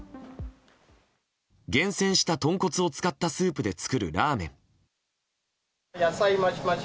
厳選した豚骨を使ったスープで作るラーメン。